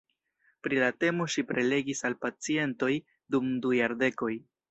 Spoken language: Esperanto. Pri la temo ŝi prelegis al pacientoj dum du jardekoj.